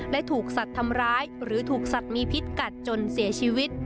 และถูกสัตว์ทำร้ายหรือถูกสัตว์มีพิษกัดจนเสียชีวิต